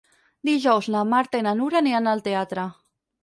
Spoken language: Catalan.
Dijous na Marta i na Nura aniran al teatre.